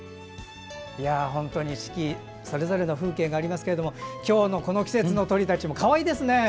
本当に四季それぞれの風景がありますが今日のこの季節の鳥たちもかわいいですね。